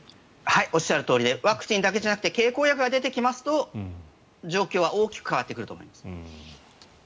おっしゃるとおりでワクチンだけじゃなくて経口薬が出てくると状況は大きく変わってくると思います。